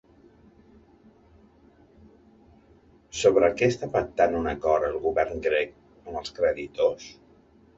Sobre què està pactant un acord el govern grec amb els creditors?